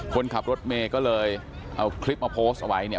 คนขับรถเมย์ก็เลยเอาคลิปมาโพสต์เอาไว้เนี่ย